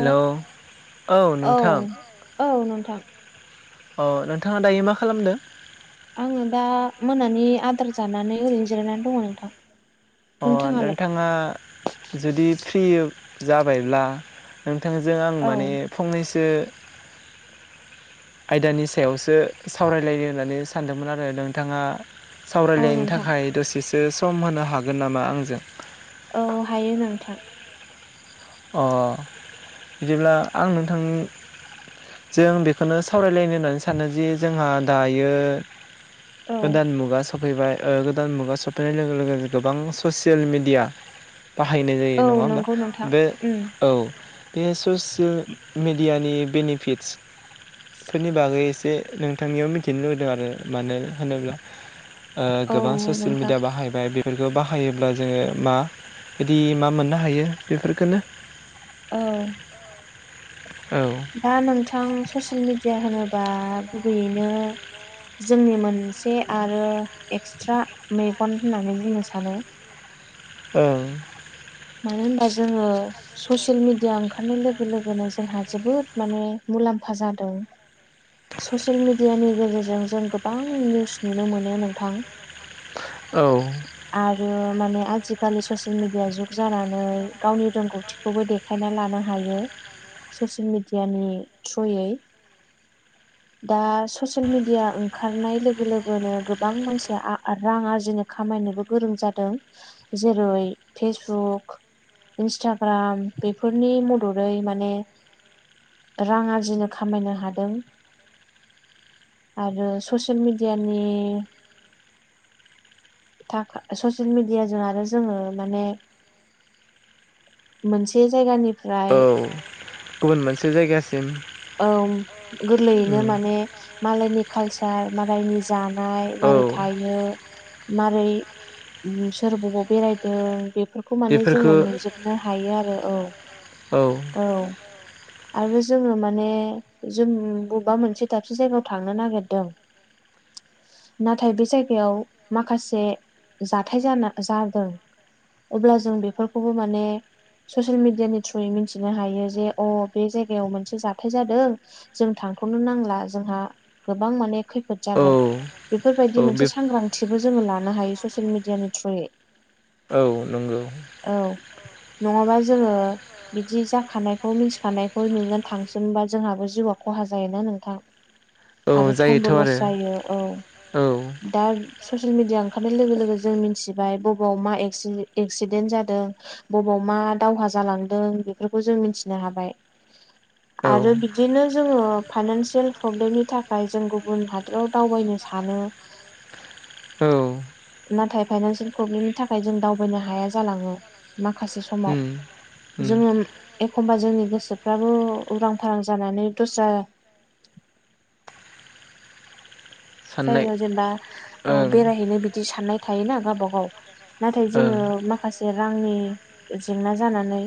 औ औ नोंथां औ नोंथां अ नोंथाङा दायो मा खालामदों आङो दा मोनानि आदार जानानै ओरैनो जिरायनानै दङ नोंथां अ नोंथाङालाय नोंथाङा जुदि फ्रि जाबायब्ला नोंथांजों आं औ माने फंनैसो आयदानि सायावसो सावरायलायो होननानै सानदोंमोन आरो नोंथाङा औ सावरायलायनो नोंथां थाखाय दसेसो सम होनो हागोन नामा आंजों औ हायो नोंथां अ बिदिब्ला आं नोंथां जों बेखौनो सावरायलायनो होननानै सानो जे जोंहा दायो औ गोदान मुगा सो सफैबाय गोदान मुगा सफैनाय लोगो लोगो गोबां ससियेल मेडिया बाहायनाय जायो औ नङा होमबा नंगौ नोंथां बे उम औ बे ससियेल मेडियानि बेनिफिट्स फोरनि बागै एसे नोंथांनियाव मिथिनो लुुबैदों आरो मानो होनोब्ला औ गोबां ससियेल नोंथां मिडिया बाहायबाय बेफोरखौ बाहायोब्ला जोङो मा बिदि मा मोननो हायो बेफोरखौनो औ औ दा नोंथां ससियेल मिडिया होनोबा गुबैयैनो जोंनि मोनसे आरो एक्सट्रा मेगन होननानै बुंनो सानो ओं मानो होनबा जोङो ससियेल मिडिया ओंखारनाय लोगो लोगोनो जोंहा जोबोद माने मुलाम्फा जादों ससियेल मिडियानि गेजेरजों जों गोबां निउस नुनो मोनो नोंथां औ। आरो माने आजिखालि ससियेल मिडिया जुग जानानै गावनि रोंगौथि बे खौबो देखायना लानो हायो ससियेल मेडियानि थ्रुयै [unintelligible] दा ससियेल मिडिया ओंखारनाय लोगो लोगोनो गोबां मानसिया रां आरजिनो खामायनोबो गोरों जादों जेरै फेसबुक इन्सटाग्राम बेफोरनि मददै माने रां आरजिनो खामायनो हादों। आरो ससियेल मिडियानि थाखा ससियेल मिडियाजों आरो जोङो माने मोनसे औ जायगानिफ्राय गुबुन मोनसे जायगासिम औ गोरलैयैनो उम माने मालायनि कालसार मालायनि जानाय औ मारै थायो मारै सोर बबाव बेरायदों बेफोर खौ माने बेफोरखौ जोङो नुजोबनो हायो आरो औ औ। आरो जोङो माने माने जों बबेबा मोनसे दाबसे जायगायाव थांनो नागिरदों। नाथाय बे जायगायाव माखासे जाथाय जा जादों। अब्ला जों बेफोरखौबो माने ससियेल मिडिया नि थ्रुयै मिथिनो हायो जे अ बे जायगायाव मोनसे जाग हाबथाय जादों जों थांथ'नो नांला जोंहा गोबां माने खैफोद औ जागोन। बेफोरबायदि औ मोनसे बे सांग्रांथिबो जोङो लानो हायो ससियेल मिडियानि थ्रुयै। औ नंगौ। औ नङाबा जोङो बिदि जाखानायखौ मिथिखानायखौ नुनानै थांसै जबा जोंहाबो जिउआ खहा जाय ना नोंथां। औ आरो टाइमबो जायोथ' लस आरो जायो औ औ दा। ससियेल मिडिया ओंखारनाय लोगो लोगो जों मिथिबाय बबेाव मा एक्सिडेन्ट जादों। बबाव मा दावहा जालांदों बेफोरखौ जों मिथिनो हाबाय। आरो औ बिदिनो जोङो फाइनानसियेल प्रब्लेमनि थाखाय जों गुबुन हाद बाव दावबायनो सानो। औ नाथाय फाइनानसियेल प्रब्लेमनि थाखाय जों दावबायनो हाया जालाङो माखासे समाव। उम उम जोङो एखमबा जोंनि गोसोफ्राबो उरां फारां जानानै दस्रा साननाय जायगायाव जेनेबा औ ओं बेरायहैनो बिदि साननाय थायोना गावबा गाव नाथाय ओं जोङो माखासे रांनि जेंना जानानै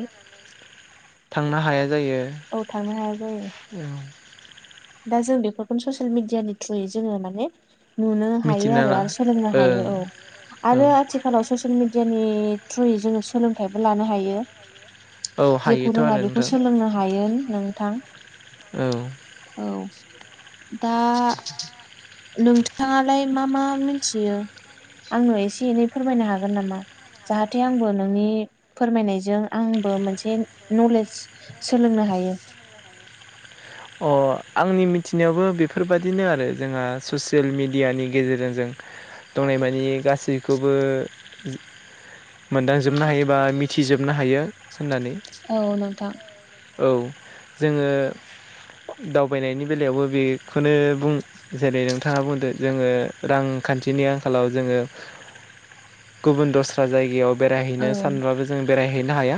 थांनो हाया जायो। औ थांनो हाया जायो। औ। दा जों बेफोरखौनो ससियेल मिडिया नि थ्रुयै जोङो माने। नुनो हायो मिथिना आरो ला सोलोंनो ओं हायो औ औ आरो आथिखाल। आथिखालाव ससियेल मिडियानि थ्रुयै जोङो सोलोंथाइबो लानो हायो। जेखौ हायोथ' रोङा आरो बेखौ नोंथां सोलोंनो हायो नोंथां। औ। औ दा। नोंथाङालाय मा मा मिथियो। आंनो एसे एनै फोरमायनो हागोन नामा? जाहाथे आंबो नोंनि फोरमायनायजों आंबो मोनसे नलेज सोलोंनो हायो। अ आंनि मिथिनायावबो बेफोरबायाददिनो आरो जोंहा ससियेल मेडियानि गेजेरजों जों दंनाय मानिे गासैखौबो मोनदांजोबनो हायोबा मिथिजोबनो हायो होननानै। औ नोंथां औ जोङो दावबायनायनि बेलायावबो बेखौनो बुं जेरै नोंथाङा बुंदो जोङो रांखान्थिनि आंखालाव जोङो। गुबुन दस्रा जायगायाव औ बेरायहैनो सानब्लाबो जों बेरायहैनो हाया।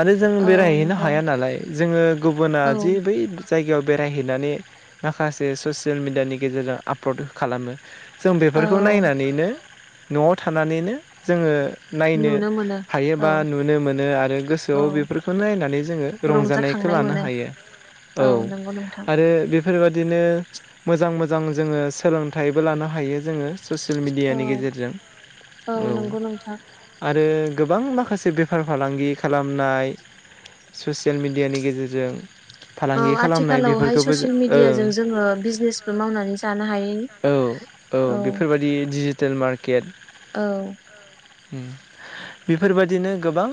आरो जों औ बेरायहैनो नंगौ हाया नालाय जोङो गुबुना औ जे बै जायगायाव बेरायहैनानै माखासे ससियेल मिडियानि गेजेरजों आपल'ड खालामो जों औ बेफोरखौ नायनानैनो न'आव थानानैनो जोङो नायनो नुनो मोनो औ हायोबा नुनो मोनो आरो औ गोसोआव बेफोरखौ नायनानै जोङो रंजानायखौ लानो हायो। औ नांगौ नोंथां आरो बेफोरबादिनो मोजां मोजां जोङो सोलोंथाइबो लानो हायो जोङो। ससियेल औ मेडियानि गेजेरजों औ। नंगौ नोंथां आरो गोबां माखासे बेफार फालांगि खालामनाय ससियेल मिडियानि गेजेरजों औ फालांगि खालाम आथिखालावहाय ससियेल मिडियाजों जोङो बिजनेसबो मावनानै। जानो हायो औ औ बेफोर बायदि डिजिटेल मार्केट औ। ओम बेफोर बायदिनो गोबां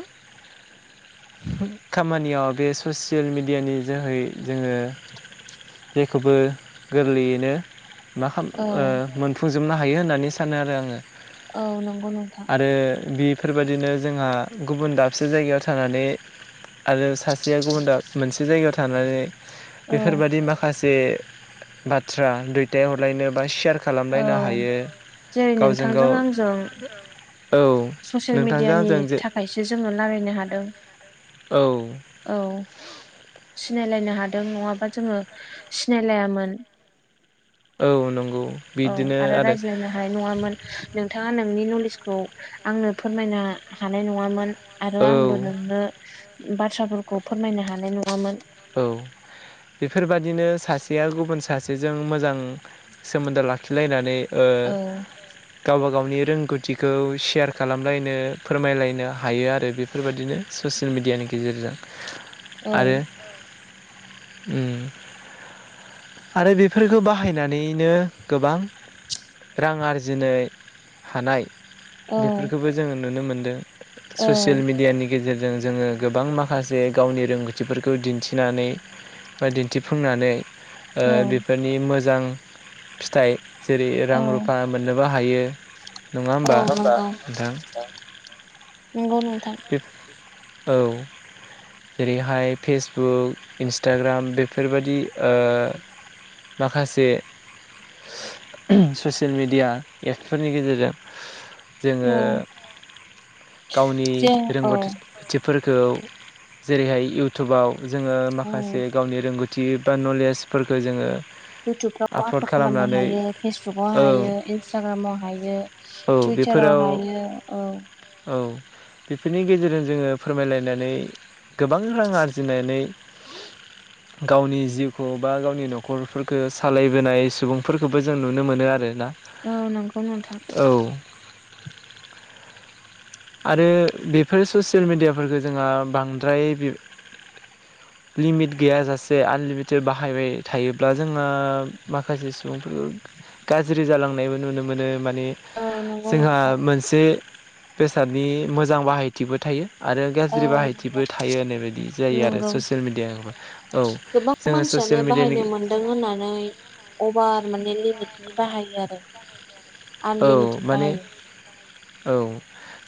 खामानियाव बे ससियेल मेडियानि जोहै जोङो। जेखौबो गोरलैयैनो मा खालाम औ ओ मोनफुंजोबनो हायो होननानै सानो आरो आङो। औ नंगौ नोंथां। आरो बेफोरबायाददिनो जोंहा गुबुन दाबसे जायगायाव थानानै। आरो सासेया ओ गुबुन द-मोनसे जायगायाव थानानै औ बेफोरबादि माखासे जे बाथ्रा दुइथाय हरलायनो बा सेयार औ खालामलायनो हायो जेरै गावजों नोंथांजों गाव आंजों औ नोंथांजों जों जे बि जोंनो रायलायनो हादों। औ। औ सिनायलायनो हादों नङाबा जोङो सिनायलायामोन। औ नंगौ। औ आरो रायज्लायनो। हानाय नङामोन नोंथाङा नोंनि नलेजखौ आंनो फोरमायनो हानाय नङामोन। आरो आंबो औ नोंनो बाथ्राफोरखौ फोरमायनो हानाय नङामोन। औ। बेफोर बादिनो सासेया गुबुन सासेजों मोजां सोमोन्दो लाखिलायनानै। ओ औ गावबा गावनि रोंगौथिखौ सेयार खालामलायनो फोरमायलायनो हायो आरो बे बेफोर बायदिनो ससियेल मिडियानि गेजेरजों औ आरो ओम आरो बेफोरखौ बाहायनानैनो गोबां। रां आरजिनो हानाय औ बेफोरखौबो जोङो नुनो मोनदों औ ससियेल मिडियानि। गेजेरजों जोङो गोबां माखासे गावनि रोंगौथिफोरखौ दिन्थिनानै। बा दिन्थिफुंनानै औ बेफोरनि मोजां फिथाइ जेरै रां औ रुफा मोननोबो हायो। नङा औ होमबा औ औ नोंथां नंगौ नोंथां। औ। जेरैहाय फेसबुक इन्सटाग्राम बेफोर बायदि माखासे ससियेल मिडिया एपफोरनि गेजेरजों जोङो औ गावनि जों औ रोंगौ थिबफोरखौ जेरैहाय इउटुबाव जोङो औ माखासे गावनि रोंगौथि बा नलेजफोरखौ जोङो इउटुबफ्राव आपलड खालामनो हायो फेसबुकाव औ हायो इन्सटाग्रामाव हायो औ टुइटाराव बेफोराव हायो औ औ बेफोरनि गेजेरजों जोङो फोरमायलायनानै गोबां रां आरजिनानै [inaudible] गावनि जिउखौ बा गावनि न'खरफोरखौ सालायबोनाय सुबुंफोरखौबो जों नुनो मोनो आरोना औ नंगौ नोंथां औ आरो बेफोर ससियेल मेडियाफोरखौ जोंहा बांद्राय लिमिट गैयाजासे आनलिमिटेड बाहायबाय थायोब्ला जोङो माखासे सुबुं गाज्रि जालांनायबो नुनो मोनो माने औ नंगौ जोंहा नोंथां मोनसे बेसादनि मोजां बाहायथिबो थायो आरो औ गाज्रि बाहायथिबो नंगौ थायो होननाय बायदि जायो आरो नंगौ ससियेल मिडिया औ गोबां जोङो ससियेल मानसियानो मेडियानि बाहायनो मोनदों होननानै अभार माने लिमिटनि बाहायो आरो औ आनलिमिटेड माने बाहायो औ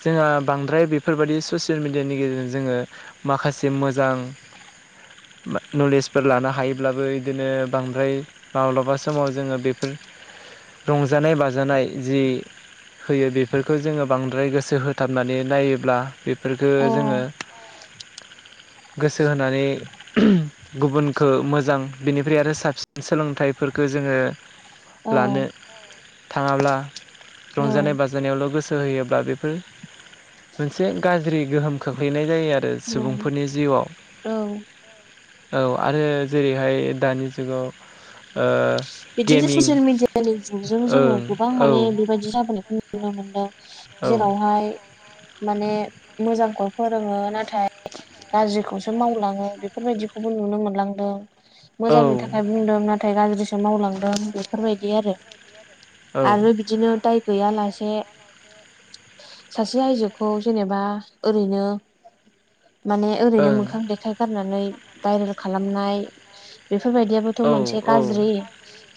जोंहा बांद्राय बेफोरबायदि ससियेल मिडियानि गेजेरजों जोङो माखासे मोजां नलेजफोर लानो हायोब्लाबो बिदिनो बांद्राय माब्लाबा समाव जोङो बेफोर रंजानाय बाजानाय जि होयो बेफोरखौ जोङो बांद्राय गोसो होथाबनानै नायोब्ला बे फोरखो औ जोङो गोसो होनानै गुबुनखौ मोजां बिनिफ्राय आरो साबसिन सोलोंथाइफोरखौ जोङो औ लानो थाङाब्ला औ रंजानाय बा जानायावल' गोसो होयोब्ला बेफोर मोनसे गाज्रि गोहोम खोख्लैनाय जायो आरो औ सुबुंफोरनि जिउआव औ औ आरो जेरैहाय दानि जुगाव ओ बिदिनो गेमिं ससियेल मिडियानि जुगजों जोङो ओं गोबां औ माने जादों बेबायदि जाबोनायखौ नुनो मोनदों जोंनि जेरावहाय माने मोजांखौ फोरोङो नाथाय गाज्रिखौसो मावलाङो बेफोरबायदिखौबो नुनो मोनलांदों औ मोजांनि थाखाय बुंदों नाथाय गाज्रिसो मावलांदों बेफोरबायदि आरो औ औ आरो बिदिनो दाय गैयालासे सासे आइजोखौ जेनेबा ओरैनो माने ओरैनो ओं मोखां देखाय गारनानै भायरेल खालामनाय बेफोरबायदियाबो थ' औ मोनसे औ गाज्रि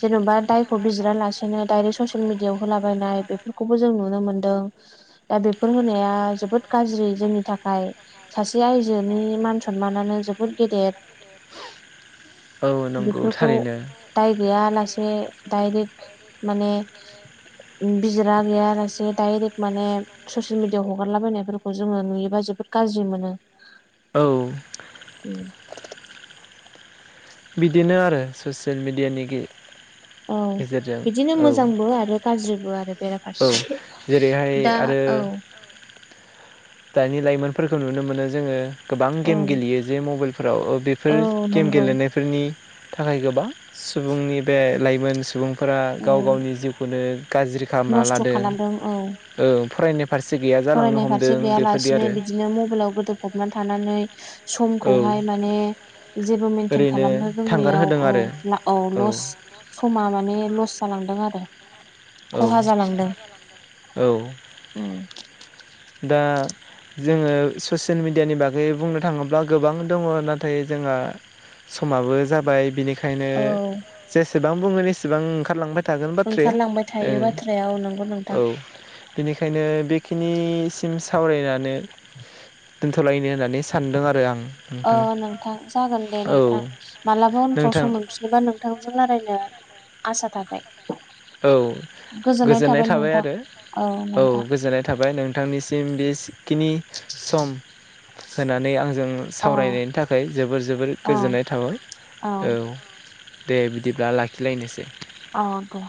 जेन'बा दायखौ बिजिरालासेनो दायरेक्ट ससियेल मिडियाआव होलाबायनाय बेफोरखौबो जों नुनो मोनदों दा बेफोर होनाया जोबोद गाज्रि जोंनि थाखाय सासे आयजोनि मान सनमानानो जोबोद गेदेर [inaudible] नंगौ बेफोरखौ थारैनो दाय गैया लासे डाइरेक्ट माने बिजिरा गैयालासे डाइरेक्ट माने ससियेल मिडिया आव हगारलाबायनायफोरखौ जोङो नुयोबा जोबोद गाज्रि मोनो औ उ बिदिनो आरो ससियेल मेडियानि गेजेरजों औ बिदिनो औ मोजांबो आरो गाज्रिबो आरो औ बेराफारसे जेरैहाय दा आरो औ दानि लाइमोनफोरखौ नुनो मोनो जोङो गोबां औ गेम गेलेयो जे मबाइलफोराव बेफोर औ गेम नंगौ गेलेनायफोरनि थाखाय गोबां सुबुंनि बे लाइमोन सुबुं फोर औ गाव गावनि जिउखौनो गाज्रि खालामना नस्थ' खालामदों औ लादों फरायनाय फारसे गैया जालांनो हमदों बेफोरदि लासेसिनो आरो बिदिनो मबाइलाव गोदोबफबनानै थानानै औ समखौहाय माने जेबो मेेनटेन ओरैनो खालामनो थांगार रोङैयाव होदों आरो औ औ लस समा माने लस जालांदों आरो औ खहा जालांदों औ उम दा जोङो ससियेल मिेडियानि बागै बुंनो थाङोब्ला गोबां दङ नाथाय जोंहा समाबो जाबाय बिनिखायनो औ जेसेबां बुङो एसेबां ओंखारलांबाय थायो थागोन बाथ्राया ओंखारलांबाय थायो ओं बाथ्राया औ नंगौ नोंथां औ बेनिखायनो बेखिनि सिम सावरायनानै दोन्थ'लायनो होननानै सानदों आरो आं अ नोंथां जागोन दे औ नोंथां मालाबा अनफ्राव नोंथां सम मोनफि जेनेबा नोंथांजों रायलायनो आसा थाबाय औ गोजोननाय थाबाय आरो औ गोजोननाय थाबाय नों नोंथांनिसिम बेखिनि सम होनानै आंजों औ सावरायनायनि थाखाय जोबोर जोबोर औ गोजोननाय थाबाय औ दे बिदिब्ला लाखिलायनोसै औ दे